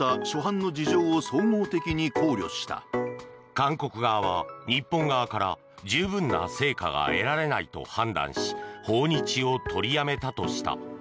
韓国側は日本側から十分な成果が得られないと判断し訪日を取りやめたとした。